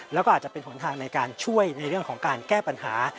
แล้วก็อาจจะเป็นหนทางในการช่วยในเรื่องของการแก้ปัญหา